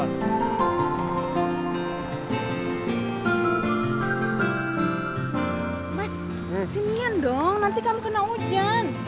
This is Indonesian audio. mas sini dong nanti kamu kena hujan